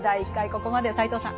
ここまで斎藤さん